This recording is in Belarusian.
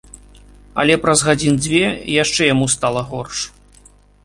Але праз гадзін дзве яшчэ яму стала горш.